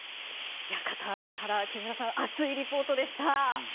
カタールから木村さん熱いリポートでした。